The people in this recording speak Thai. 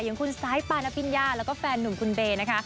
ยังคุณสายปาหละปิญญาแล้วก็แฟนนุ่มคุณเบนะคะ